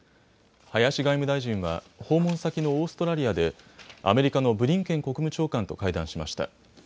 林外務大臣は訪問先のオーストラリアでアメリカのブリンケン国務長官と会談しました。